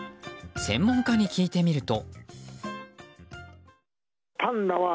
専門家に聞いてみると。